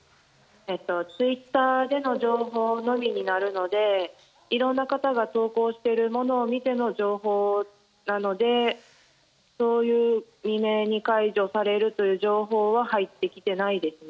ツイッターでの情報のみになるのでいろんな方が投稿しているものを見ての情報なので未明に解除されるという情報は入ってきてないです。